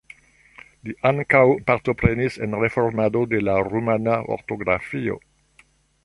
Li ankaŭ partoprenis en reformado de la rumana ortografio.